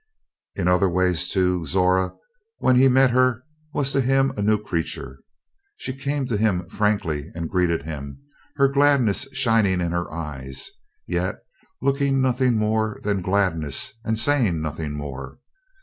In other ways, too, Zora, when he met her, was to him a new creature. She came to him frankly and greeted him, her gladness shining in her eyes, yet looking nothing more than gladness and saying nothing more.